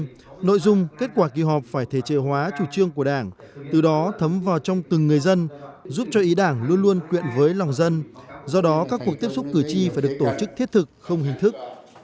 nhưng nội dung kết quả kỳ họp phải thể chế hóa chủ trương của đảng từ đó thấm vào trong từng người dân giúp cho ý đảng luôn luôn quyện với lòng dân do đó các cuộc tiếp xúc cử tri phải được tổ chức thiết thực không hình thức